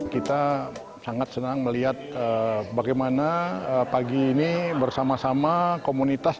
kita sangat senang melihat bagaimana pagi ini bersama sama komunitas